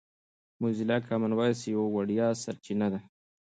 موزیلا کامن وایس یوه وړیا سرچینه ده.